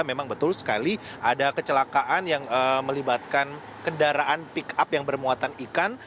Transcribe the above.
memang betul sekali ada kecelakaan yang melibatkan kendaraan pick up yang bermuatan ikan